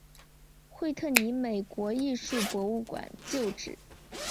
惠特尼美国艺术博物馆旧址。